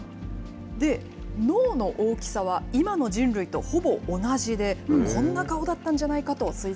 脳の大きさは、今の人類とほぼ同じで、こんな顔だったんじゃない